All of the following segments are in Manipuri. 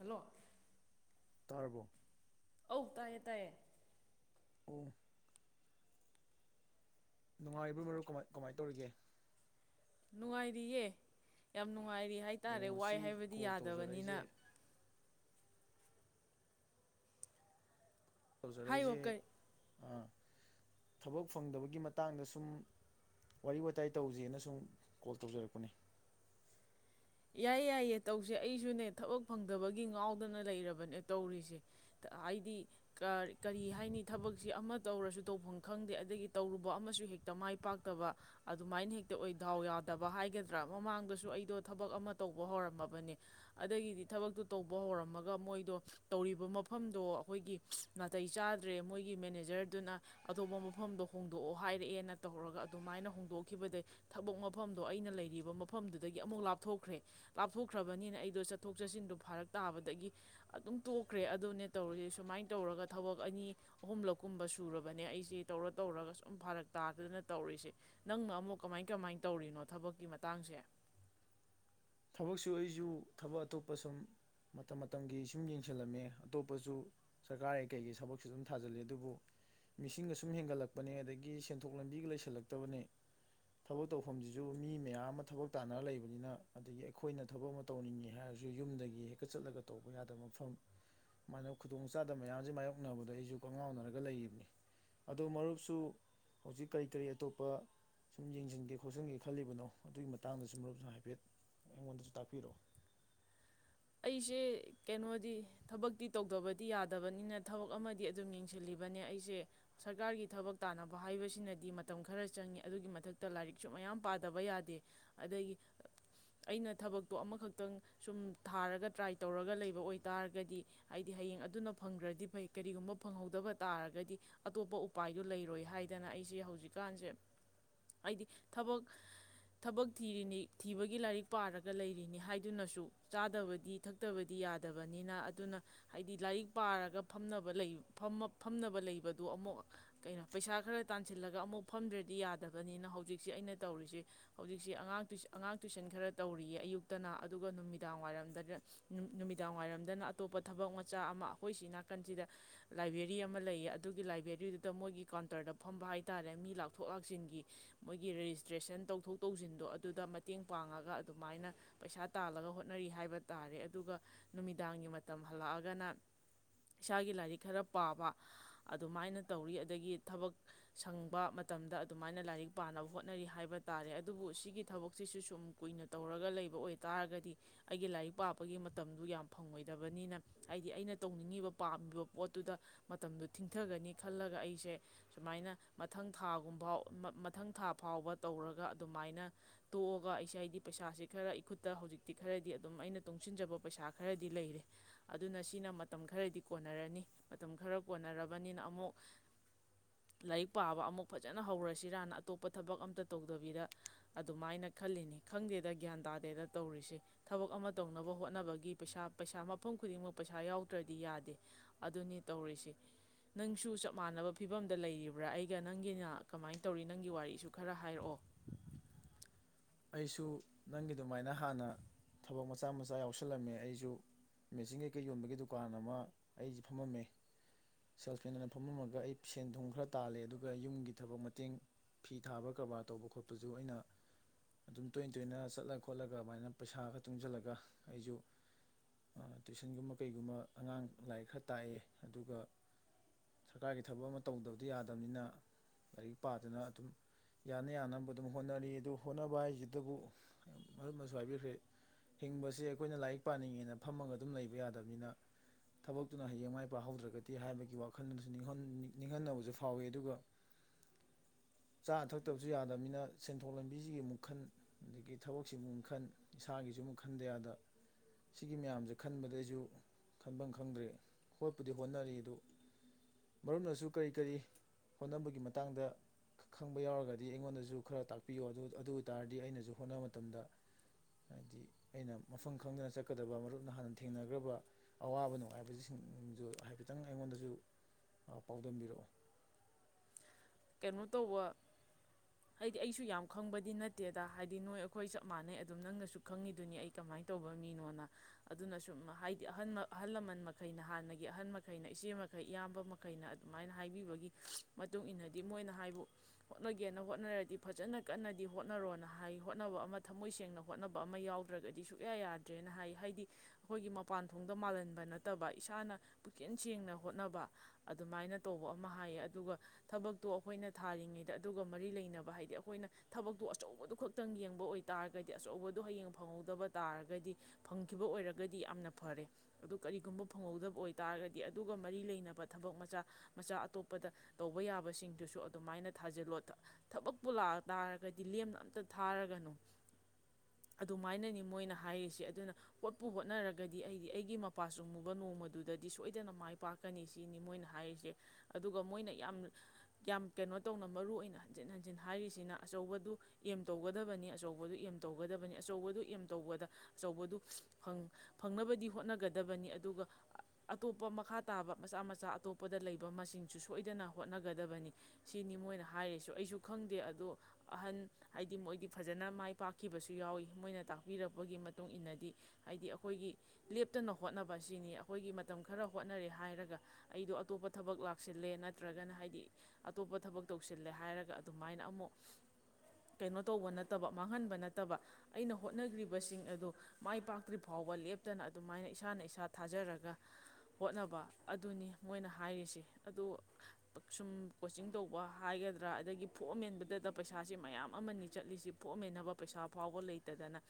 ꯍꯜꯂꯣ ꯇꯔꯔꯕꯣ ꯑ ꯇꯌꯦ ꯇꯥꯏꯌꯦ ꯑꯣ ꯅꯨꯡꯉꯥꯏꯔꯤꯕꯩ ꯃꯔꯨ ꯀꯃ ꯀꯃꯥꯏ ꯇꯧꯔꯤꯒꯦ ꯅꯨꯡꯉꯥꯏꯔꯤꯌꯦꯦ ꯌꯥꯝ ꯅꯨꯡꯉ ꯅꯨꯡꯉꯥꯏꯔꯤ ꯍꯥꯏꯇꯥꯔꯦ ꯑꯣ ꯋꯥꯏ ꯉꯁꯤ ꯍꯥꯏꯕꯗꯤ ꯀꯣꯜ ꯌꯥꯗꯕꯅꯤꯅ ꯇꯧꯖꯔꯛꯏꯁꯦ ꯍꯥꯏꯌꯣ ꯇꯧꯖꯔꯛꯏꯁꯦ ꯀꯩ ꯑꯥ ꯊꯕꯛ ꯐꯪꯗꯕꯒꯤ ꯃꯇꯥꯡꯗ ꯁꯨꯝ ꯋꯥꯔꯤ ꯋꯥꯋꯇꯥꯏ ꯇꯧꯖꯦꯅ ꯁꯨꯝ ꯀꯣꯜ ꯇꯧꯖꯔꯛꯄꯅꯦ ꯌꯥꯏ ꯌꯥꯏꯌꯦ ꯇꯧꯁꯦ ꯑꯩꯁꯨꯅꯦ ꯊꯕꯛ ꯐꯪꯗꯕꯒꯤ ꯉꯥꯎꯗꯅ ꯂꯩꯔꯕꯅꯦ ꯇꯧꯔꯤꯁꯦ ꯍꯥꯏꯗꯤ ꯀꯔꯤ ꯍꯥꯏꯅꯤ ꯊꯕꯛꯁꯤ ꯑꯃ ꯇꯧꯔꯁꯨ ꯇꯧꯐꯝ ꯈꯪꯗꯦ ꯑꯗꯒꯤ ꯇꯧꯔꯨꯕ ꯑꯃꯁꯨ ꯍꯦꯛꯇ ꯃꯥꯏ ꯄꯥꯛꯇꯕ ꯑꯗꯨꯃꯥꯏꯅ ꯍꯦꯛꯇ ꯑꯣꯏꯗꯥꯎ ꯌꯥꯗꯕ ꯍꯥꯏꯒꯗ꯭ꯔꯥ ꯃꯃꯥꯡꯗꯁꯨ ꯑꯩꯗꯣ ꯊꯕꯛ ꯑꯃ ꯇꯧꯕ ꯍꯧꯔꯝꯃꯕꯅꯦ ꯑꯗꯒꯤꯗꯤ ꯊꯕꯛꯇꯨ ꯇꯧꯕ ꯍꯧꯔꯝꯃꯒ ꯃꯣꯏꯗꯣ ꯇꯧꯔꯤꯕ ꯃꯐꯝꯗꯣ ꯑꯩꯈꯣꯏꯒꯤ ꯅꯥꯇꯩ ꯆꯥꯗ꯭ꯔꯦ ꯃꯣꯏꯒꯤ ꯃꯦꯅꯦꯖꯔꯗꯨꯅ ꯑꯇꯣꯞꯄ ꯃꯐꯝꯗꯣ ꯍꯣꯡꯗꯣꯛꯑꯣ ꯍꯥꯏꯔꯛꯑꯦꯅ ꯇꯧꯔꯒ ꯑꯗꯨꯃꯥꯏꯅ ꯍꯣꯡꯗꯣꯛꯈꯤꯕꯗꯒꯤꯩ ꯊꯕꯛ ꯃꯐꯝꯗꯣ ꯑꯩꯅ ꯂꯩꯔꯤꯕ ꯃꯐꯝꯗꯨꯗꯒꯤ ꯑꯃꯨꯛ ꯂꯥꯞ ꯂꯥꯞꯊꯣꯛꯈ꯭ꯔꯦ ꯂꯥꯞꯊꯣꯛꯈ꯭ꯔꯕꯅꯤꯅ ꯑꯩꯗꯣ ꯆꯠꯊꯣꯛ ꯆꯠꯁꯤꯟꯗꯣ ꯐꯥꯔꯛ ꯇꯥꯕꯗꯒꯤ ꯑꯗꯨꯝ ꯇꯣꯛꯈ꯭ꯔꯦ ꯑꯗꯨꯅꯦ ꯇꯧꯔꯤꯁꯦ ꯁꯨꯃꯥꯏꯅ ꯇꯧꯔꯒ ꯊꯕꯛ ꯑꯅꯤ ꯑꯍꯨꯝꯂꯛꯀꯨꯝꯕ ꯁꯨꯔꯕꯅꯦ ꯑꯩꯁꯦ ꯇꯧꯔ ꯇꯧꯔꯒ ꯁꯨꯝ ꯐꯥꯔꯛ ꯇꯥꯗꯅ ꯇꯧꯔꯤꯁꯦ ꯅꯪꯅ ꯑꯃꯨꯛ ꯀꯃꯥꯏ ꯀꯃꯥꯏꯅ ꯇꯧꯔꯤꯅꯣ ꯊꯕꯛꯀꯤ ꯃꯇꯥꯡꯁꯦ ꯊꯕꯛꯁꯨ ꯑꯩꯁꯨ ꯊꯕꯛ ꯑꯇꯣꯞꯄ ꯁꯨꯝ ꯃꯇꯝ ꯃꯇꯝꯒꯤ ꯁꯨꯝ ꯌꯦꯡꯁꯤꯜꯂꯝꯃꯦ ꯑꯇꯣꯞꯄꯁꯨ ꯁꯔꯀꯥꯔꯒꯤ ꯀꯩꯒꯤ ꯊꯕꯛꯁꯨ ꯑꯗꯨꯝ ꯊꯥꯖꯤꯜꯂꯦ ꯑꯗꯨꯕꯨ ꯃꯤꯁꯤꯡꯒ ꯁꯨꯝ ꯍꯦꯟꯒꯠꯂꯛꯄꯅꯦ ꯑꯗꯒꯤ ꯁꯦꯟꯊꯣꯛ ꯂꯝꯕꯤꯒ ꯂꯩꯁꯜꯂꯛꯇꯕꯅꯦ ꯊꯕꯛ ꯇꯧꯐꯝꯁꯤꯁꯨ ꯃꯤ ꯃꯌꯥꯝ ꯑꯃ ꯊꯕꯛ ꯇꯥꯟꯅꯔ ꯂꯩꯕꯅꯤꯅ ꯑꯗꯒꯤ ꯑꯩꯈꯣꯏꯅ ꯊꯕꯛ ꯑꯃ ꯇꯧꯅꯤꯡꯉꯦ ꯍꯥꯏꯔꯁꯨ ꯌꯨꯝꯗꯒꯤ ꯍꯦꯛꯀꯠ ꯆꯠꯂꯒ ꯇꯧꯕ ꯌꯥꯗꯕ ꯃꯐꯝ ꯁꯃꯥꯏꯅ ꯈꯨꯗꯣꯡ ꯆꯥꯗꯕ ꯃꯌꯥꯝꯁꯦ ꯃꯥꯥꯏꯌꯣꯛꯅꯕꯗ ꯑꯩꯁꯨ ꯀꯒꯥꯎꯅꯔꯒ ꯂꯩꯔꯤꯕꯅꯤ ꯑꯗꯣ ꯃꯔꯨꯞꯁꯨ ꯍꯧꯖꯤꯛ ꯀꯔꯤ ꯀꯔꯤ ꯑꯇꯣꯞꯄ ꯁꯨꯝ ꯌꯦꯡꯁꯤꯟꯒꯦ ꯈꯣꯠꯆꯟꯒꯦ ꯈꯜꯂꯤꯕꯅꯣ ꯑꯗꯨꯒꯤ ꯃꯇꯥꯡꯗꯁꯨ ꯃꯔꯨꯞꯅ ꯍꯥꯏꯐꯦꯠ ꯑꯩꯉꯣꯟꯗꯁꯨ ꯇꯥꯛꯄꯤꯔꯛꯑꯣ ꯑꯩꯁꯦ ꯀꯩꯅꯣꯗꯤ ꯊꯕꯛꯇꯤ ꯇꯧꯗꯕꯗꯤ ꯌꯥꯗꯕꯅꯤꯅ ꯊꯕꯛ ꯑꯃꯗꯤ ꯑꯗꯨꯝ ꯌꯦꯡꯁꯤꯜꯂꯤꯕꯅꯦ ꯑꯩꯁꯦ ꯁꯔꯀꯥꯔꯒꯤ ꯊꯕꯛ ꯇꯥꯟꯅꯕ ꯍꯥꯏꯕꯁꯤꯅꯗꯤ ꯃꯇꯝ ꯈꯔ ꯆꯪꯉꯤ ꯑꯗꯨꯒꯤ ꯃꯊꯛꯇ ꯂꯥꯏꯔꯤꯛꯁꯨ ꯃꯌꯥꯝ ꯄꯥꯗꯕ ꯌꯥꯗꯦ ꯑꯗꯒꯤ ꯑꯩꯅ ꯊꯕꯛꯇꯣ ꯑꯃꯈꯛꯇꯪ ꯁꯨꯝ ꯊꯥꯔꯒ ꯇ꯭ꯔꯥꯏ ꯇꯧꯔꯒ ꯂꯩꯕ ꯑꯣꯏꯇꯥꯥꯔꯒꯗꯤ ꯍꯥꯏꯗꯤ ꯍꯌꯦꯡ ꯑꯗꯨꯅ ꯐꯪꯈ꯭ꯔꯗꯤ ꯐꯩ ꯀꯔꯤꯒꯨꯝꯕ ꯐꯪꯍꯧꯗꯕ ꯇꯥꯔꯒꯗꯤ ꯑꯇꯣꯞꯄ ꯎꯄꯥꯏꯗꯨ ꯂꯩꯔꯣꯏ ꯍꯥꯏꯗꯅ ꯑꯩꯁꯦ ꯍꯧꯖꯤꯛꯀꯥꯟꯁꯦ ꯍꯥꯏꯗꯤ ꯊꯕꯛ ꯊꯕꯛ ꯊꯤꯔꯤꯅꯤ ꯊꯤꯕꯒꯤ ꯂꯥꯏꯔꯤꯛ ꯄꯥꯔꯒ ꯂꯩꯔꯤꯅꯤ ꯍꯥꯏꯗꯨꯅꯁꯨ ꯆꯥꯗꯕꯗꯤ ꯊꯛꯇꯕꯗꯤ ꯌꯥꯗꯕꯅꯤꯅ ꯑꯗꯨꯅ ꯍꯥꯏꯗꯤ ꯂꯥꯏꯔꯤꯛ ꯄꯥꯔꯒ ꯐꯝꯅꯕ ꯂꯩ ꯐꯝꯅꯕ ꯂꯩꯕꯗꯨ ꯑꯃꯨꯛ ꯀꯩꯅꯣ ꯄꯩꯁꯥ ꯈꯔ ꯇꯥꯟꯁꯤꯜꯂꯒ ꯑꯃꯨꯛ ꯐꯝꯗ꯭ꯔꯗꯤ ꯌꯥꯗꯕꯅꯤꯅ ꯍꯧꯖꯤꯛꯁꯤ ꯑꯩꯅ ꯇꯧꯔꯤꯁꯦ ꯍꯧꯖꯤꯛꯁꯤ ꯑꯉꯥꯡ ꯑꯉꯥꯡ ꯇꯨꯏꯁꯟ ꯈꯔ ꯇꯧꯔꯤꯌꯦ ꯑꯌꯨꯛꯇꯅ ꯑꯗꯨꯒ ꯅꯨꯃꯤꯠ ꯅꯨꯃꯤꯗꯥꯡ ꯋꯥꯏꯔꯝꯗꯅ ꯅꯨꯃꯤꯗꯥꯡ ꯋꯥꯏꯔꯝꯗꯅ ꯑꯇꯣꯞꯄ ꯊꯕꯛ ꯃꯆꯥ ꯑꯃ ꯑꯩꯈꯣꯏ ꯁꯤ ꯅꯥꯀꯟꯁꯤꯗ ꯂꯥꯏꯕ꯭ꯔꯦꯔꯤ ꯑꯃ ꯂꯩꯌꯦ ꯑꯗꯨꯒꯤ ꯂꯥꯏꯕ꯭ꯔꯦꯔꯤꯗꯨꯗ ꯃꯣꯏꯒꯤ ꯀꯥꯎꯟꯇꯔꯗ ꯐꯝꯕ ꯍꯥꯏꯇꯥꯔꯦ ꯃꯤ ꯂꯥꯛꯊꯣꯛ ꯂꯥꯛꯁꯤꯟꯒꯤ ꯃꯣꯏꯒꯤ ꯔꯦꯖꯤꯁꯇ꯭ꯔꯦꯁꯟ ꯇꯧꯊꯣꯛ ꯇꯧꯁꯤꯟꯗꯣ ꯑꯗꯨꯗ ꯃꯇꯦꯡ ꯄꯥꯡꯉꯒ ꯑꯗꯨꯃꯥꯏꯅ ꯄꯩꯁꯥ ꯇꯥꯜꯂꯒ ꯍꯣ ꯍꯣꯠꯅꯔꯤ ꯍꯥꯏꯕ ꯇꯥꯔꯦ ꯑꯗꯨꯒ ꯅꯨꯃꯤꯗꯥꯡꯒꯤ ꯃꯇꯝ ꯍꯜꯂꯛꯑꯒꯅ ꯏꯁꯥꯒꯤ ꯂꯥꯏꯔꯤꯛ ꯈꯔ ꯄꯥꯕ ꯑꯗꯨꯃꯥꯏꯅ ꯇꯧꯔꯤ ꯑꯗꯒꯤ ꯊꯕꯛ ꯁꯪꯕ ꯃꯇꯝꯗ ꯑꯗꯨꯃꯥꯏꯅ ꯂꯥꯏꯔꯤꯛ ꯄꯥꯅꯕ ꯍꯣꯠꯅꯔꯤ ꯍꯥꯏꯕ ꯇꯥꯔꯦ ꯑꯗꯨꯕꯨ ꯁꯤꯒꯤ ꯊꯕꯛꯁꯤꯁꯨ ꯁꯨꯝ ꯀꯨꯏꯅ ꯇꯧꯔꯒ ꯂꯩꯕ ꯑꯣꯏꯇꯥꯔꯒꯗꯤ ꯑꯩꯒꯤ ꯂꯥꯏꯔꯤꯛ ꯄꯥꯕꯒꯤ ꯃꯇꯝꯗꯨ ꯌꯥꯝ ꯐꯪꯉꯣꯏꯗꯕꯅꯤꯅ ꯍꯥꯏꯗꯤ ꯑꯩꯅ ꯇꯧꯅꯤꯡꯉꯤꯕ ꯄꯥꯝꯃꯤꯕ ꯄꯣꯠꯇꯨꯗ ꯃꯇꯝꯗꯨ ꯊꯤꯡꯊꯒꯅꯤ ꯈꯜꯂꯒ ꯑꯩꯁꯦ ꯁꯨꯃꯥꯏꯅ ꯃꯊꯪ ꯊꯥꯒꯨꯝꯐꯥꯎ ꯃꯊꯪ ꯊꯥ ꯐꯥꯎꯕ ꯇꯧꯔꯒ ꯑꯗꯨꯃꯥꯏꯅ ꯇꯣꯛꯑꯒ ꯑꯩꯁꯦ ꯍꯥꯏꯗꯤ ꯄꯩꯁꯥꯁꯦ ꯈꯔ ꯑꯩꯈꯨꯠꯇ ꯍꯧꯖꯤꯛ ꯇꯤ ꯈꯔꯗꯤ ꯑꯗꯨꯝ ꯑꯩꯅ ꯇꯨꯡꯁꯤꯟꯖꯕ ꯄꯩꯁꯥ ꯈꯔꯗꯤ ꯂꯩꯔꯦ ꯑꯗꯨꯅ ꯁꯤꯅ ꯃꯇꯝ ꯈꯔꯗꯤ ꯀꯣꯟꯅꯔꯅꯤ ꯃꯇꯝ ꯈꯔ ꯀꯣꯟꯅꯔꯕꯅꯤꯅ ꯑꯃꯨꯛ ꯂꯥꯏꯔꯤꯛ ꯄꯥꯕ ꯑꯃꯨꯛ ꯐꯖꯅ ꯍꯧꯔꯁꯤꯔꯅ ꯑꯇꯣꯞꯄ ꯊꯕꯛ ꯑꯝꯇ ꯇꯧꯗꯕꯤꯗ ꯑꯗꯨꯃꯥꯏꯅ ꯈꯜꯂꯤꯅꯤ ꯈꯪꯗꯦꯗ ꯒ꯭ꯌꯥꯟ ꯇꯥꯗꯦꯗ ꯇꯧꯔꯤꯁꯦ ꯊꯕꯛ ꯑꯃ ꯇꯧꯅꯕ ꯍꯣꯠꯅꯕꯒꯤ ꯄꯩꯁꯥ ꯄꯩꯁꯥ ꯃꯐꯝ ꯈꯨꯗꯤꯡꯃꯛ ꯄꯩꯁꯥ ꯌꯥꯎꯗ꯭ꯔꯗꯤ ꯌꯥꯗꯦ ꯑꯗꯨꯅꯤ ꯇꯧꯔꯤꯁꯦ ꯅꯪꯁꯨ ꯆꯞ ꯃꯥꯟꯅꯕ ꯐꯤꯕꯝꯗ ꯂꯩꯔꯤꯕ꯭ꯔꯥ ꯑꯩꯒ ꯅꯪꯒꯤꯅ ꯀꯃꯥꯏꯅ ꯇꯧꯔꯤ ꯅꯪꯒꯤ ꯋꯥꯔꯤꯁꯨ ꯈꯔ ꯍꯥꯏꯔꯛꯑꯣ ꯑꯩꯁꯨ ꯅꯪꯒꯤ ꯑꯗꯨꯃꯥꯏꯅ ꯍꯥꯟꯅ ꯊꯕꯛ ꯃꯆꯥ ꯃꯆꯥ ꯌꯥꯎꯁꯜꯂꯝꯃꯦ ꯑꯩꯁꯨ ꯃꯦꯆꯤꯟ ꯀꯩꯀꯩ ꯌꯣꯟꯕꯒꯤ ꯗꯨꯀꯥꯟ ꯑꯃ ꯑꯩꯁꯨ ꯐꯝꯃꯝꯃꯦ ꯁꯦꯜꯐꯦꯟ ꯑꯣꯏꯅ ꯐꯝꯃꯝꯃꯒ ꯑꯩ ꯁꯦꯟ ꯊꯨꯝ ꯈꯔ ꯇꯥꯜꯂꯦ ꯑꯗꯨꯒ ꯌꯨꯝꯒꯤ ꯊꯕꯛ ꯃꯇꯦꯡ ꯐꯤ ꯊꯥꯕ ꯀꯔꯕꯥꯔ ꯇꯧꯕ ꯈꯣꯠꯄꯁꯨ ꯑꯩꯅ ꯑꯗꯨꯝ ꯇꯣꯏꯅ ꯇꯣꯏꯅ ꯆꯠꯂ ꯈꯣꯠꯂꯒ ꯑꯗꯨꯃꯥꯏꯅ ꯄꯩꯁꯥ ꯈꯔ ꯇꯨꯡꯁꯤꯜꯂꯒ ꯑꯩꯁꯨ ꯇꯨꯏꯁꯟꯒꯨꯝꯕ ꯀꯩꯒꯨꯝꯕ ꯑꯉꯥꯡ ꯂꯥꯏꯔꯤꯛ ꯈꯔ ꯇꯥꯛꯑꯦ ꯑꯗꯨꯒ ꯁꯔꯀꯥꯔꯒꯤ ꯊꯕꯛ ꯑꯃ ꯇꯧꯗꯕꯗꯤ ꯌꯥꯗꯕꯅꯤꯅ ꯂꯥꯏꯔꯤꯛ ꯄꯥꯗꯨꯅ ꯑꯗꯨꯝ ꯌꯥꯅ ꯌꯥꯅꯕꯕꯨ ꯑꯗꯨꯝ ꯍꯣꯠꯅꯔꯤ ꯑꯗꯨ ꯍꯣꯠꯅꯕ ꯊꯕꯥꯏꯁꯤꯗꯕꯨ ꯃꯔꯨꯞ ꯑꯃꯁꯁꯨ ꯍꯥꯏꯕꯤꯈ꯭ꯔꯦ ꯍꯤꯡꯕꯁꯦ ꯑꯩꯈꯣꯏꯅ ꯂꯥꯏꯔꯤꯛ ꯄꯥꯅꯤꯡꯉꯦꯅ ꯐꯝꯃꯒ ꯑꯗꯨꯝ ꯂꯩꯕ ꯌꯥꯗꯕꯅꯤꯅ ꯊꯕꯛꯇꯨꯅ ꯍꯌꯦꯡ ꯃꯥꯏ ꯄꯥꯛꯍꯧꯗ꯭ꯔꯒꯗꯤ ꯍꯥꯏꯕꯒꯤ ꯋꯥꯈꯜꯗꯨꯁꯨ ꯅꯤꯡꯍꯟꯅꯕꯁꯨ ꯐꯥꯎꯋꯤ ꯑꯗꯨꯒ ꯆꯥ ꯊꯛꯇꯕꯁꯨ ꯌꯥꯗꯕꯅꯤꯅ ꯁꯦꯟꯊꯣꯛ ꯂꯝꯕꯤꯁꯤꯒꯤ ꯑꯃꯨꯛ ꯈꯟ ꯑꯗꯒꯤ ꯊꯕꯛꯁꯤꯃꯨꯛ ꯈꯟ ꯏꯁꯥꯒꯤꯁꯤ ꯑꯃꯨꯛ ꯈꯟꯗꯌꯥꯗ ꯁꯤꯒꯤ ꯃꯌꯥꯝꯁꯦ ꯈꯟꯕꯗ ꯑꯩꯁꯨ ꯈꯟꯐꯝ ꯈꯪꯗ꯭ꯔꯦ ꯍꯣꯠꯄꯨꯗꯤ ꯍꯣꯠꯅꯔꯤ ꯑꯗꯨ ꯃꯔꯝꯅꯁꯨ ꯀꯔꯤ ꯀꯔꯤ ꯍꯣꯠꯅꯕꯒꯤ ꯃꯇꯥꯡꯗ ꯈꯪꯕ ꯌꯥꯎꯔꯒꯗꯤ ꯑꯩꯉꯣꯟꯗꯁꯨ ꯈꯔ ꯇꯥꯛꯄꯤꯌꯨ ꯑꯗꯨ ꯑꯗꯨ ꯇꯥꯔꯗꯤ ꯑꯩꯅꯁꯨ ꯍꯣꯠꯅꯕ ꯃꯇꯝꯗ ꯍꯥꯏꯗꯤ ꯑꯩꯅ ꯃꯐꯝ ꯈꯪꯗꯅ ꯆꯠꯀꯗꯕ ꯃꯔꯨꯞ ꯍꯥꯟꯅ ꯊꯦꯡꯅꯈ꯭ꯔꯕ ꯑꯋꯥꯕ ꯅꯨꯡꯉꯥꯏꯕꯁꯤꯡꯁꯨ ꯍꯥꯏꯐꯦꯠꯇꯪ ꯑꯩꯉꯣꯟꯗꯁꯨ ꯄꯥꯎꯗꯝꯕꯤꯔꯛꯑꯣ ꯀꯩꯅꯣ ꯇꯧꯕ ꯍꯥꯏꯗꯤ ꯑꯩꯁꯨ ꯌꯥꯝ ꯈꯪꯕꯗꯤ ꯅꯠꯇꯦꯗ ꯍꯥꯏꯗꯤ ꯅꯣꯏ ꯑꯩꯈꯣꯏ ꯆꯞ ꯃꯥꯟꯅꯩ ꯑꯗꯨꯝ ꯅꯪꯅꯁꯨ ꯈꯪꯉꯤꯗꯨꯅꯤ ꯑꯩ ꯀꯃꯥꯏꯅ ꯇꯧꯕ ꯃꯤꯅꯣꯅ ꯑꯗꯨꯅ ꯁꯨꯝ ꯍꯥꯏꯗꯤ ꯑꯍꯟ ꯑꯍꯜ ꯂꯃꯟ ꯃꯈꯩꯅ ꯍꯥꯟꯅꯒꯤ ꯑꯍꯟ ꯃꯈꯩꯅ ꯏꯆꯦ ꯃꯈꯩ ꯏꯌꯥꯝꯕ ꯃꯈꯩꯅ ꯑꯗꯨꯃꯥꯏꯅ ꯍꯥꯏꯕꯤꯕꯒꯤ ꯃꯇꯨꯡ ꯏ ꯃꯇꯨꯡꯏꯟꯅ ꯗꯤ ꯃꯣꯏꯅ ꯍꯥꯏꯕꯨ ꯍꯣꯠꯅꯒꯦꯅ ꯍꯣꯠꯅꯔꯗꯤ ꯐꯖꯅ ꯀꯟꯅꯗꯤ ꯍꯣꯠꯅꯔꯣꯅ ꯍꯥꯏ ꯍꯣꯠꯅꯕ ꯑꯃ ꯊꯃꯣꯏ ꯁꯦꯡꯅ ꯍꯣꯠꯅꯕ ꯑꯃ ꯌꯥꯎꯗ꯭ꯔꯒꯗꯤ ꯁꯨꯌꯥ ꯌꯥꯗ꯭ꯔꯦꯅ ꯍꯥꯏ ꯍꯥꯏꯗꯤ ꯑꯩꯈꯣꯏꯒꯤ ꯃꯄꯥꯟ ꯊꯣꯡꯗ ꯃꯥꯜꯍꯟꯕ ꯅꯠꯇꯕ ꯏꯁꯥꯅ ꯄꯨꯛꯆꯦꯟ ꯁꯦꯡꯅ ꯍꯣꯠꯅꯕ ꯑꯗꯨꯃꯥꯏꯅ ꯇꯧꯕ ꯑꯃ ꯍꯥꯏꯌꯦ ꯑꯗꯨꯒ ꯊꯕꯛ ꯇꯣ ꯑꯩꯈꯣꯏꯅ ꯊꯥꯔꯤꯉꯩꯗ ꯑꯗꯨꯒ ꯃꯔꯤ ꯂꯩꯅꯕ ꯍꯥꯏꯗꯤ ꯑꯩꯈꯣꯏꯅ ꯊꯕꯛꯇꯣ ꯑꯆꯧꯕꯗꯨ ꯈꯛꯇꯪ ꯌꯦꯡꯕ ꯑꯣꯏꯇꯥꯔꯒꯗꯤ ꯑꯆꯧꯕꯗꯣ ꯍꯌꯦꯡ ꯐꯪꯍꯧꯗꯕ ꯇꯥꯔꯒꯗꯤ ꯐꯪꯈꯤꯕ ꯑꯣꯏꯔꯒꯗꯤ ꯌꯥꯝꯅ ꯐꯔꯦ ꯑꯗꯨ ꯀꯔꯤꯒꯨꯝꯕ ꯐꯪꯍꯧꯗꯕ ꯑꯣꯏꯇꯥꯥꯔꯒꯗꯤ ꯑꯗꯨꯒ ꯃꯔꯤ ꯂꯩꯅꯕ ꯊꯕꯛ ꯃꯆꯥ ꯃꯆꯥ ꯑꯇꯣꯞꯄꯗ ꯇꯧꯕ ꯌꯥꯕꯁꯤꯡ ꯑꯗꯨꯁꯨ ꯑꯗꯨꯃꯥꯏꯅ ꯊꯥꯖꯤꯜꯂꯣ ꯊꯕꯛꯄꯨ ꯂꯥꯛ ꯇꯥꯔꯒꯗꯤ ꯂꯦꯝꯅ ꯑꯝꯇ ꯊꯥꯔꯒꯅꯨ ꯑꯗꯨꯃꯥꯏꯅꯅꯤ ꯃꯣꯏꯅ ꯍꯥꯏꯔꯤꯁꯦ ꯑꯗꯨꯅ ꯍꯣꯠꯄꯨ ꯍꯣꯠꯅꯔꯒꯗꯤ ꯑꯩꯗꯤ ꯑꯩꯒꯤ ꯃꯄꯥ ꯆꯨꯝꯃꯨꯕ ꯅꯣꯡꯃꯗꯨꯗꯗꯤ ꯁꯣꯏꯗꯅ ꯃꯥꯏ ꯄꯥꯛꯀꯅꯤ ꯁꯤꯅꯤ ꯃꯣꯏꯅ ꯍꯥꯏꯔꯤꯁꯦ ꯑꯗꯨꯒ ꯃꯣꯏꯅ ꯌꯥꯝ ꯌꯥꯝ ꯀꯩꯅꯣ ꯇꯧꯅ ꯃꯔꯨꯏ ꯑꯣꯏꯅ ꯍꯟꯖꯤꯟ ꯍꯟꯖꯤꯟ ꯍꯥꯏꯔꯤꯁꯤꯅ ꯑꯆꯧꯕꯗꯨ ꯑꯦꯝ ꯇꯧꯒꯗꯕꯅꯤ ꯑꯆꯧꯕꯗꯨ ꯑꯦꯝ ꯇꯧꯒꯗꯕꯅꯤ ꯑꯆꯧꯕꯗꯨ ꯑꯦꯝ ꯇꯧꯕꯗ ꯑꯆꯧꯕꯗꯨ ꯐꯪꯅꯕꯗꯤ ꯍꯣꯠꯅꯒꯗꯕꯅꯤ ꯑꯗꯨꯒ ꯑꯇꯣꯞꯄ ꯃꯈꯥ ꯇꯥꯕ ꯃꯆꯥ ꯃꯆꯥ ꯑꯇꯣꯞꯄꯗ ꯂꯩꯕ ꯃꯁꯤꯡꯁꯨ ꯁꯣꯏꯗꯅ ꯍꯣꯠꯅꯒꯗꯕꯅꯤ ꯁꯤꯅꯤ ꯃꯣꯏꯅ ꯍꯥꯏꯔꯁꯨ ꯑꯩꯁꯨ ꯈꯪꯗꯦ ꯑꯗꯣ ꯑꯍꯟ ꯍꯥꯏꯗꯤ ꯃꯣꯏꯗꯤ ꯐꯖꯅ ꯃꯥꯏ ꯄꯥꯛꯈꯤꯕꯁꯨ ꯌꯥꯎꯏꯤ ꯃꯣꯏꯅ ꯇꯥꯛꯄꯤꯔꯛꯄꯒꯤ ꯃꯇꯨꯡ ꯏꯟꯅꯗꯤ ꯍꯥꯏꯗꯤ ꯑꯩꯈꯣꯏꯒꯤ ꯂꯦꯞꯇꯅ ꯍꯣꯠꯅꯕ ꯁꯤꯅꯤ ꯑꯩꯈꯣꯏꯒꯤ ꯃꯇꯝ ꯈꯔ ꯍꯣꯠꯅꯔꯦ ꯍꯥꯏꯔꯒ ꯑꯩꯗꯣ ꯑꯇꯣꯞꯄ ꯊꯕꯛ ꯂꯥꯛꯁꯤꯜꯂꯦ ꯅꯠꯇ꯭ꯔꯒꯅ ꯍꯥꯏꯗꯤ ꯑꯇꯣꯞꯄ ꯊꯕꯛ ꯇꯧꯁꯤꯜꯂꯦ ꯍꯥꯏꯔꯒ ꯑꯗꯨꯃꯥꯏꯅ ꯑꯃꯨꯛ ꯀꯩꯅꯣ ꯇꯧꯕ ꯅꯠꯇꯕ ꯃꯥꯡꯍꯟꯕ ꯅꯠꯇꯕ ꯑꯩꯅ ꯍꯣꯠꯅꯈ꯭ꯔꯤꯕꯁꯤꯡ ꯑꯗꯨ ꯃꯥꯏ ꯄꯥꯛꯇ꯭ꯔꯤ ꯐꯥꯎꯕ ꯂꯦꯞꯇꯅ ꯑꯗꯨꯃꯥꯏꯅ ꯏꯁꯥꯅ ꯏꯁꯥ ꯊꯥꯖꯔꯒ ꯍꯣꯠꯅꯕ ꯑꯗꯨꯅꯤ ꯃꯣꯏꯅ ꯍꯥꯏꯔꯤꯁꯦ ꯑꯗꯨ ꯁꯨꯝ ꯀꯣꯆꯤꯡ ꯇꯧꯕ ꯍꯥꯏꯒꯗ꯭ꯔꯥ ꯑꯗꯒꯤ ꯐꯣꯔꯑꯝꯃꯦꯟꯕꯗꯗ ꯄꯩꯁꯥꯁꯤ ꯃꯌꯥꯝ ꯑꯃꯅꯤ ꯆꯠꯂꯤꯁꯤ ꯐꯣꯛꯑꯝꯃꯦꯟꯅꯕ ꯄꯩꯁꯥ ꯐꯥꯎꯕ ꯂꯩꯇꯗꯅ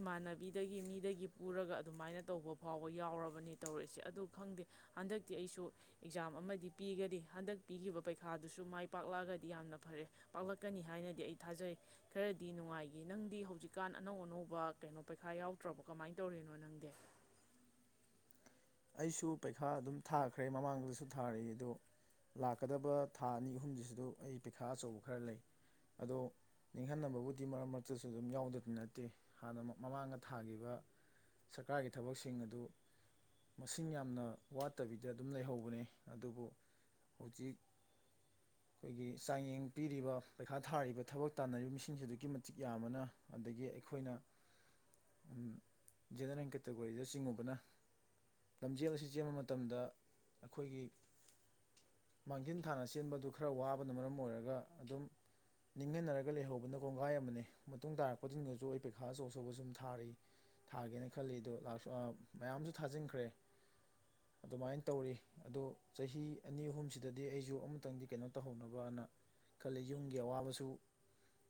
ꯏꯃꯥꯟꯅꯕꯤꯗꯒꯤ ꯃꯤꯗꯒꯤ ꯄꯨꯔꯒ ꯑꯗꯨꯃꯥꯏꯅ ꯇꯧꯕ ꯐꯥꯎꯕ ꯌꯥꯎꯔꯕꯅꯤ ꯇꯧꯔꯛꯏꯁꯦ ꯑꯗꯨ ꯈꯪꯗꯦ ꯍꯟꯗꯛꯇꯤ ꯑꯩꯁꯨ ꯑꯦꯛꯖꯥꯝ ꯑꯃꯗꯤ ꯄꯤꯒꯗꯤ ꯍꯟꯗꯛ ꯄꯤꯈꯤꯕ ꯄꯩꯈꯥꯗꯨꯁꯨ ꯃꯥꯏ ꯄꯥꯛꯂꯛꯑꯒꯗꯤ ꯌꯥꯝꯅ ꯐꯔꯦ ꯄꯥꯛꯂꯛꯀꯅꯤ ꯍꯥꯏꯅꯗꯤ ꯑꯩ ꯊꯥꯖꯩ ꯈꯔꯗꯤ ꯅꯨꯡꯉꯥꯏꯈꯤ ꯅꯪꯗꯤ ꯍꯧꯖꯤꯛꯀꯥꯟ ꯑꯅꯧ ꯑꯅꯧꯕ ꯀꯩꯅꯣ ꯄꯩꯈꯥ ꯌꯥꯎꯗ꯭ꯔꯕ ꯀꯃꯥꯏꯅ ꯇꯧꯔꯤꯅꯣ ꯅꯪꯗꯤ ꯑꯩꯁꯨ ꯄꯩꯈꯥ ꯑꯗꯨꯝ ꯊꯥꯈ꯭ꯔꯦ ꯃꯃꯥꯡꯗꯁꯨ ꯊꯥꯔꯛꯏ ꯑꯗꯣ ꯂꯥꯛꯀꯗꯕ ꯊꯥ ꯑꯅꯤ ꯑꯍꯨꯝꯁꯤꯁꯨ ꯑꯩ ꯄꯩꯈꯥ ꯑꯆꯧꯕ ꯈꯔ ꯂꯩ ꯑꯗꯣ ꯅꯤꯡꯍꯟꯅꯕꯕꯨꯗꯤ ꯃꯔꯛ ꯃꯔꯛꯇꯁꯨ ꯑꯗꯨꯝ ꯌꯥꯎꯗꯗꯤ ꯅꯠꯇꯦ ꯍꯥꯟꯅ ꯃꯃꯥꯡꯗ ꯊꯥꯈꯤꯕ ꯁꯔꯀꯥꯔꯒꯤ ꯊꯕꯛꯁꯤꯡ ꯑꯗꯨ ꯃꯁꯤꯡ ꯌꯥꯝꯅ ꯋꯥꯠꯇꯕꯤꯗ ꯑꯗꯨꯝ ꯂꯩꯍꯧꯕꯅꯦ ꯑꯗꯨꯕꯨ ꯍꯧꯖꯤꯛ ꯑꯩꯈꯣꯏꯒꯤ ꯆꯥꯡꯌꯦꯡ ꯄꯤꯔꯤꯕ ꯄꯩꯈꯥ ꯊꯥꯔꯤꯕ ꯊꯕꯛ ꯇꯥꯟꯅꯔꯤꯕ ꯃꯤꯁꯤꯡꯁꯦ ꯑꯗꯨꯛꯀꯤ ꯃꯇꯤꯛ ꯌꯥꯝꯕꯅ ꯑꯗꯒꯤ ꯑꯩꯈꯣꯏꯅ ꯖꯦꯅꯔꯦꯜ ꯀꯦꯇꯒꯣꯔꯤꯗ ꯆꯤꯡꯉꯨꯕꯅ ꯂꯝꯖꯦꯜ ꯑꯁꯤ ꯆꯦꯟꯕ ꯃꯇꯝꯗ ꯑꯩꯈꯣꯏꯒꯤ ꯃꯥꯡꯖꯤꯟ ꯊꯥꯅ ꯆꯦꯟꯕꯗꯨ ꯈꯔ ꯋꯥꯕꯅ ꯃꯔꯝ ꯑꯣꯏꯔꯒ ꯑꯗꯨꯝ ꯅꯤꯡꯍꯟꯅꯔꯒ ꯂꯩꯍꯧꯕꯅ ꯀꯣꯡꯒꯥꯏ ꯑꯃꯅꯦ ꯃꯇꯨꯡ ꯇꯥꯔꯛꯄꯁꯤꯡꯒꯁꯨ ꯑꯩ ꯄꯩꯈꯥ ꯑꯆꯧ ꯑꯆꯧꯕ ꯁꯨꯝ ꯊꯥꯔꯤ ꯊꯥꯒꯦꯅ ꯈꯜꯂꯤ ꯑꯗꯣ ꯃꯌꯥꯝꯁꯨ ꯊꯥꯖꯤꯟꯈ꯭ꯔꯦ ꯑꯗꯨꯃꯥꯏꯅ ꯇꯧꯔꯤ ꯑꯗꯣ ꯆꯍꯤ ꯑꯅꯤ ꯑꯍꯨꯝꯁꯤꯗꯗꯤ ꯑꯩꯁꯨ ꯑꯃꯨꯛꯇꯪꯗꯤ ꯀꯩꯅꯣ ꯇꯧꯍꯧꯅꯕꯅ ꯈꯜꯂꯤ ꯌꯨꯝꯒꯤ ꯑꯋꯥꯕꯁꯨ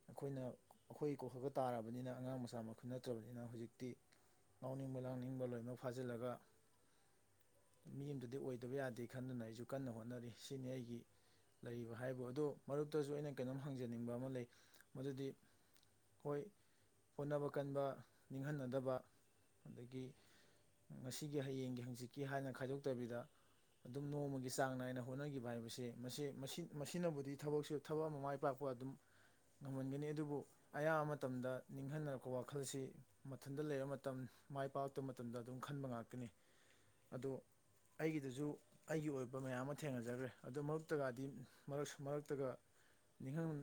ꯑꯩꯈꯣꯏꯅ ꯑꯩꯈꯣꯏ ꯀꯣꯛꯈꯒ ꯇꯥꯔꯕꯅꯤꯅ ꯑꯉꯥꯡ ꯃꯆꯥ ꯃꯈꯟ ꯅꯠꯇ꯭ꯔꯕꯅꯤꯅ ꯍꯧꯖꯤꯛꯇꯤ ꯉꯥꯎꯅꯤꯡꯕ ꯂꯥꯡꯅꯤꯡꯕ ꯂꯣꯏꯅꯃꯛ ꯐꯥꯖꯤꯜꯂꯒ ꯃꯤ ꯑꯃꯗꯗꯤ ꯑꯣꯏꯗꯕ ꯌꯥꯗꯦ ꯈꯟꯗꯅ ꯑꯩꯁꯨ ꯀꯟꯅ ꯍꯣꯠꯅꯔꯤ ꯁꯤꯅꯤ ꯑꯩꯒꯤ ꯂꯩꯕ ꯍꯥꯏꯕꯨ ꯑꯗꯨꯗ ꯃꯔꯨꯛꯇꯁꯨ ꯑꯩꯅ ꯀꯩꯅꯣꯝ ꯍꯪꯖꯅꯤꯡꯕ ꯑꯃ ꯂꯩ ꯃꯗꯨꯗꯤ ꯍꯣꯏ ꯍꯣꯠꯅꯕ ꯀꯟꯕ ꯅꯤꯡꯍꯟꯅꯗꯕ ꯑꯗꯒꯤ ꯉꯁꯤꯒꯤ ꯍꯌꯦꯡꯒꯤ ꯍꯪꯆꯤꯛꯀꯤ ꯍꯥꯏꯅ ꯈꯥꯏꯗꯣꯛꯇꯕꯤꯗ ꯑꯗꯨꯝ ꯅꯣꯡꯃꯒꯤ ꯆꯥꯡ ꯅꯥꯏꯅ ꯍꯣꯠꯅꯈꯤꯕ ꯍꯥꯏꯕꯁꯦ ꯃꯁꯤ ꯃꯁꯤꯅꯕꯨꯗꯤ ꯊꯕꯛꯁꯨ ꯊꯕꯛ ꯑꯃ ꯃꯥꯏ ꯄꯥꯛꯄ ꯑꯗꯨꯝ ꯉꯝꯍꯟꯒꯅꯤ ꯑꯗꯨꯕꯨ ꯑꯌꯥꯝꯕ ꯃꯇꯝꯗ ꯅꯤꯡꯍꯟꯅꯔꯛꯄ ꯋꯥꯈꯜꯁꯤ ꯃꯊꯟꯇ ꯂꯩꯔ ꯃꯇꯝ ꯃꯥꯏ ꯄꯥꯛꯂꯛꯇꯕ ꯃꯇꯝꯗ ꯑꯗꯨꯝ ꯈꯟꯕ ꯉꯥꯛꯇꯅꯤ ꯑꯗꯣ ꯑꯩꯒꯤꯗꯁꯨ ꯑꯩꯒꯤ ꯑꯣꯏꯕ ꯃꯌꯥꯝ ꯑꯃ ꯊꯦꯡꯅꯖꯈ꯭ꯔꯦ ꯑꯗ ꯃꯔꯛꯇꯒꯗꯤ ꯃꯔꯛꯇꯒ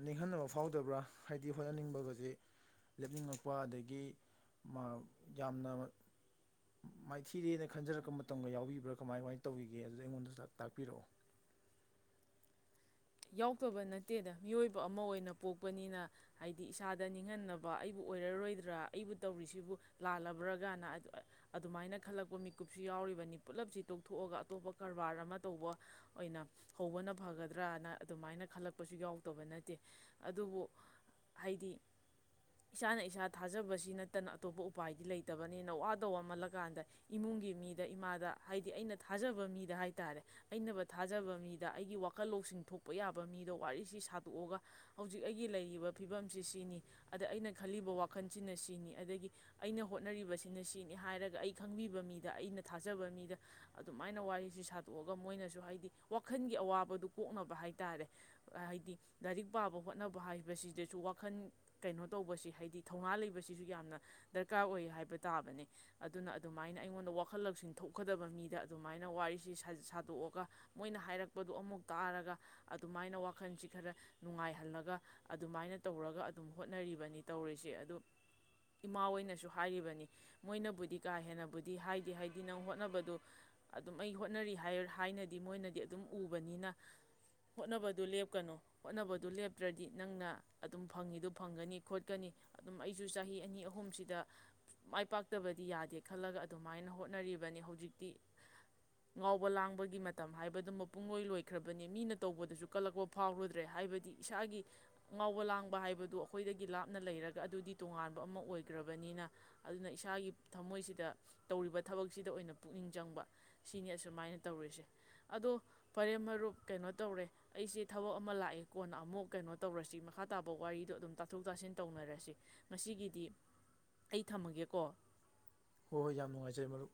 ꯅꯤꯡꯍꯟꯅꯕ ꯐꯥꯎꯗꯕ꯭ꯔꯥ ꯍꯥꯏꯗꯤ ꯍꯣꯠꯅꯅꯤꯡꯕꯒꯁꯦ ꯂꯦꯞꯅꯤꯡꯉꯛꯄ ꯑꯗꯒꯤꯃꯥ ꯌꯥꯝꯅ ꯃꯥꯏꯊꯤꯔꯦꯅ ꯈꯟꯖꯔꯛꯄ ꯃꯇꯝꯒ ꯌꯥꯎꯕꯤꯕ꯭ꯔꯥ ꯀꯃꯥꯏ ꯀꯃꯥꯏꯅ ꯇꯧꯒꯤꯒꯦ ꯑꯗꯨꯗꯤ ꯑꯩꯉꯣꯟꯗ ꯇꯥꯏꯄꯤꯔꯛꯑꯣ ꯌꯥꯎꯗꯕ ꯅꯠꯇꯦꯗ ꯃꯤꯑꯣꯏꯕ ꯑꯃ ꯑꯣꯏꯅ ꯄꯣꯛꯄꯅꯤꯅ ꯍꯥꯏꯗꯤ ꯏꯁꯥꯗ ꯅꯤꯡꯍꯟꯅꯕ ꯑꯩꯕꯨ ꯑꯣꯏꯔꯔꯣꯏꯗ꯭ꯔꯥ ꯑꯩꯕꯨ ꯇꯧꯔꯤꯁꯤꯕꯨ ꯂꯥꯜꯂꯕ꯭ꯔꯒꯅ ꯑꯗꯨꯃꯥꯏꯅ ꯈꯜꯂꯛꯄ ꯃꯤꯀꯨꯞꯁꯨ ꯌꯥꯎꯔꯤꯕꯅꯤ ꯄꯨꯂꯞꯁꯤ ꯇꯣꯛꯊꯣꯛꯑꯒ ꯑꯇꯣꯞꯄ ꯀꯔꯕꯥꯔ ꯑꯃ ꯇꯧꯕ ꯑꯣꯏꯅ ꯍꯧꯕꯅ ꯐꯒꯗ꯭ꯔꯅ ꯑꯗꯨꯃꯥꯏꯅ ꯈꯜꯂꯛꯄꯁꯨ ꯌꯥꯎꯗꯕ ꯅꯠꯇꯦ ꯑꯗꯨꯕꯨ ꯍꯥꯏꯗꯤ ꯏꯁꯥꯅ ꯏꯁꯥ ꯊꯥꯖꯕꯁꯤ ꯅꯠꯇꯅ ꯑꯇꯣꯞꯄ ꯎꯄꯥꯏꯗꯤ ꯂꯩꯇꯕꯅꯤꯅ ꯋꯥꯗ ꯋꯥꯃꯜꯂꯀꯥꯟꯗ ꯏꯃꯨꯡꯒꯤ ꯃꯤꯗ ꯏꯃꯥꯗ ꯍꯥꯏꯗꯤ ꯑꯩꯅ ꯊꯥꯖꯕ ꯃꯤꯗ ꯍꯥꯏꯇꯥꯔꯦ ꯑꯩꯅꯕꯨ ꯊꯥꯖꯕ ꯃꯤꯗ ꯑꯩꯒꯤ ꯋꯥꯈꯜ ꯂꯧꯁꯤꯡ ꯊꯣꯛ ꯄꯣꯛꯄ ꯌꯥꯕ ꯃꯤꯗꯣ ꯋꯥꯔꯤꯁꯤ ꯁꯥꯗꯣꯛꯑꯒ ꯍꯧꯖꯤꯛ ꯑꯩꯒꯤ ꯂꯩꯔꯤꯕ ꯐꯤꯕꯝꯁꯤ ꯁꯤꯅꯤ ꯑꯗ ꯑꯩꯅ ꯈꯜꯂꯤꯕ ꯋꯥꯈꯜꯁꯤꯅ ꯁꯤꯅꯤ ꯑꯗꯒꯤ ꯑꯩꯅ ꯍꯣꯠꯅꯔꯤꯕꯁꯤꯅ ꯁꯤꯅꯤ ꯍꯥꯏꯔꯒ ꯑꯩ ꯈꯪꯕꯤꯕ ꯃꯤꯗ ꯑꯩꯅ ꯊꯥꯖꯕ ꯃꯤꯗ ꯑꯗꯨꯃꯥꯏꯅ ꯋꯥꯔꯤꯁꯤ ꯁꯥꯗꯣꯛꯑꯒ ꯃꯣꯏꯅꯁꯨ ꯍꯥꯏꯗꯤ ꯋꯥꯈꯜꯒꯤ ꯑꯋꯥꯕꯗꯨ ꯀꯣꯛꯅꯕ ꯍꯥꯏ ꯍꯥꯏ ꯇꯥꯔꯦ ꯍꯥꯏꯗꯤ ꯂꯥꯏꯔꯤꯛ ꯄꯥꯕ ꯍꯣꯠꯅꯕ ꯍꯥꯏꯕꯁꯤꯗꯁꯨ ꯋꯥꯈꯜ ꯀꯩꯅꯣ ꯇꯧꯕꯁꯤ ꯍꯥꯏꯗꯤ ꯊꯧꯅꯥ ꯂꯩꯕꯁꯤꯁꯨ ꯌꯥꯝꯅ ꯗꯔꯀꯥꯔ ꯑꯣꯏ ꯍꯥꯏꯕ ꯇꯥꯕꯅꯦ ꯑꯗꯨꯅ ꯑꯗꯨꯃꯥꯏꯅ ꯑꯩꯉꯣꯟꯗ ꯋꯥꯈꯜ ꯂꯧꯛꯁꯤꯡ ꯊꯣꯛꯀꯗꯕ ꯃꯤꯗ ꯑꯗꯨꯃꯥꯏꯅ ꯋꯥꯔꯤꯁꯤ ꯁꯥꯗꯣꯛꯑꯒ ꯃꯣꯏꯅ ꯍꯥꯏꯔꯛꯄꯗ ꯑꯃꯨꯛ ꯇꯥꯔꯒ ꯑꯗꯨꯃꯥꯏꯅ ꯋꯥꯈꯜꯁꯤ ꯈꯔ ꯅꯨꯡꯉꯥꯏꯍꯜꯂꯒ ꯑꯗꯨꯃꯥꯏꯅ ꯇꯧꯔꯒ ꯑꯗꯨꯝ ꯍꯣꯠꯅꯔꯤꯕꯅꯤ ꯇꯧꯔꯤꯁꯦ ꯑꯗꯨ ꯏꯃꯥ ꯍꯣꯏꯅꯁꯨ ꯍꯥꯏꯔꯤꯕꯅꯤ ꯃꯣꯏꯅꯕꯨꯗꯤ ꯀꯥ ꯍꯦꯟꯅꯕꯨꯗꯤ ꯍꯥꯏꯗꯤ ꯍꯥꯏꯗꯤ ꯅꯪ ꯍꯣꯠꯅꯕꯗꯣ ꯑꯗꯨꯝ ꯑꯩ ꯍꯣꯠꯅꯔꯤ ꯍꯥꯏꯅꯗꯤ ꯃꯣꯏꯅꯗꯤ ꯑꯗꯨꯝ ꯎꯕꯅꯤꯅ ꯍꯣꯠꯅꯕꯗꯨ ꯂꯦꯞꯀꯅꯨ ꯍꯣꯠꯅꯕꯗꯨ ꯂꯦꯞꯇ꯭ꯔꯗꯤ ꯅꯪꯅ ꯑꯗꯨꯝ ꯐꯪꯉꯤꯗꯨ ꯐꯪꯒꯅꯤ ꯈꯣꯠꯀꯅꯤ ꯑꯗꯨꯝ ꯑꯩꯁꯨ ꯆꯍꯤ ꯑꯅꯤ ꯑꯍꯨꯝꯁꯤꯗ ꯃꯥꯏ ꯄꯥꯛꯇꯕꯗꯤ ꯌꯥꯗꯦ ꯈꯜꯂꯒ ꯑꯗꯨꯃꯥꯏꯅ ꯍꯣꯠꯅꯔꯤꯕꯅꯤ ꯍꯧꯖꯤꯛꯇꯤ ꯉꯥꯎꯕ ꯂꯥꯡꯕꯒꯤ ꯃꯇꯝ ꯍꯥꯏꯕꯗꯨ ꯃꯄꯨꯡꯂꯣꯏ ꯂꯣꯏꯈ꯭ꯔꯕꯅꯤ ꯃꯤꯅ ꯇꯧꯕꯗꯁꯨ ꯀꯜꯂꯛꯄ ꯐꯥꯎꯔꯨꯗ꯭ꯔꯦ ꯍꯥꯏꯕꯗꯤ ꯏꯁꯥꯒꯤ ꯉꯥꯎꯕ ꯂꯥꯡꯕ ꯍꯥꯏꯕꯗꯨ ꯑꯩꯈꯣꯏꯗꯒꯤ ꯂꯥꯞꯅ ꯂꯩꯔꯒ ꯑꯗꯨꯗꯤ ꯇꯣꯉꯥꯟꯕ ꯑꯃ ꯑꯣꯏꯈ꯭ꯔꯕꯅꯤꯅ ꯑꯗꯨꯅ ꯏꯁꯥꯒꯤ ꯊꯃꯣꯏꯁꯤꯗ ꯇꯧꯔꯤꯕ ꯊꯕꯛꯁꯤꯗ ꯑꯣꯏꯅ ꯄꯨꯛꯅꯤꯡ ꯆꯪꯕ ꯁꯤꯅꯤ ꯑꯁꯨꯃꯥꯏꯅ ꯇꯧꯔꯤꯁꯦ ꯑꯗꯣ ꯐꯔꯦ ꯃꯔꯨꯞ ꯀꯩꯅꯣ ꯇꯧꯔꯦ ꯑꯩꯁꯦ ꯊꯕꯛ ꯑꯃ ꯂꯥꯛꯑꯦ ꯀꯣꯟꯅ ꯑꯃꯨꯛ ꯀꯩꯅꯣ ꯇꯧꯔꯁꯤ ꯃꯈꯥ ꯇꯥꯕ ꯋꯥꯔꯤꯗꯣ ꯑꯗꯨꯝ ꯇꯥꯊꯣꯛ ꯇꯥꯁꯤꯟ ꯇꯧꯅꯔꯁꯤ ꯉꯁꯤꯒꯤꯗꯤ ꯑꯩ ꯊꯝꯃꯒꯦꯀꯣ ꯍꯣꯏ ꯍꯣꯏ ꯌꯥꯝ ꯅꯨꯡꯉꯥꯏꯖꯔꯦ ꯃꯔꯨꯞ